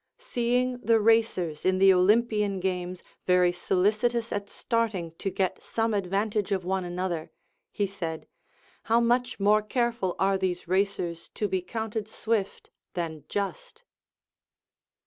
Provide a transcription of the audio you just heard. Seeing the racers in the Olympian games very solicitous at starting to get some advantage of one another, he said. How much more careful are these racers to be counted swift than just